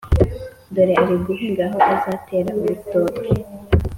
dore ari guhinga aho azatera urutoke